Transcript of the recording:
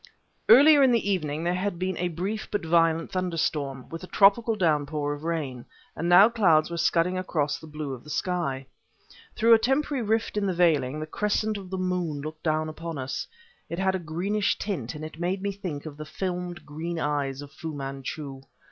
Earlier in the evening there had been a brief but violent thunderstorm, with a tropical downpour of rain, and now clouds were scudding across the blue of the sky. Through a temporary rift in the veiling the crescent of the moon looked down upon us. It had a greenish tint, and it set me thinking of the filmed, green eyes of Fu Manchu.